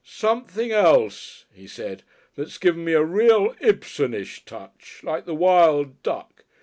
"Something else," he said. "That's given me a Real Ibsenish Touch like the Wild Duck.